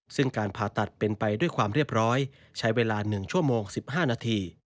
ซึ่งการผ่าตัดเป็นไปด้วยความเรียบร้อยใช้เวลา๑ชั่วโมง๑๕นาที